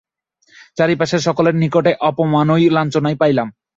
চারিপাশের সকলের নিকটে অপমান ও লাঞ্ছনাই পাইলাম।